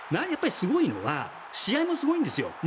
すごいのは試合もすごいんですよ。